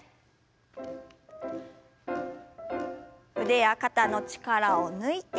腕や肩の力を抜いて。